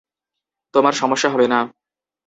তোমার সমস্যা হবে না।